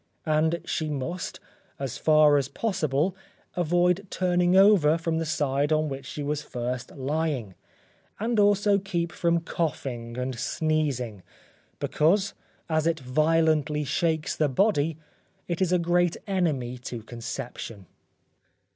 And she must, as far as possible, avoid turning over from the side on which she was first lying, and also keep from coughing and sneezing, because as it violently shakes the body, it is a great enemy to conception.